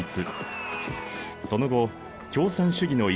その後共産主義の一